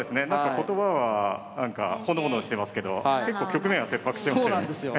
言葉はほのぼのしてますけど結構局面は切迫してますね。